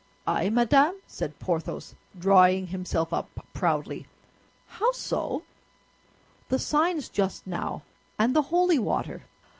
"I, madame?" said Porthos, drawing himself up proudly; "how so?" "The signs just now, and the holy water!